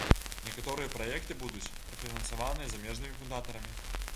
Некаторыя праекты будуць прафінансаваныя замежнымі фундатарамі.